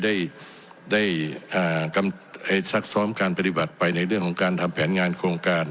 ได้ซักซ้อมการปฏิบัติไปในเรื่องของการทำแผนงานโครงการ